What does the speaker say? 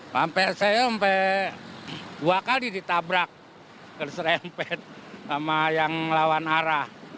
sampai saya dua kali ditabrak keserempet sama yang melawan arah